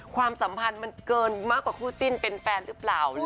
ความสัมพันธ์มันเกินมากกว่าคู่จิ้นเป็นแฟนหรือเปล่า